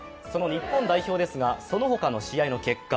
日本代表ですが、そのほかの試合の結果、